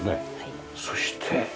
そして。